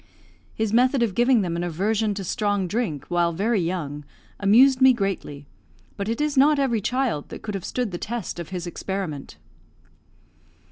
His method of giving them an aversion to strong drink while very young amused me greatly, but it is not every child that could have stood the test of his experiment.